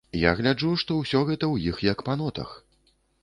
Я гляджу, што ўсё гэта ў іх як па нотах.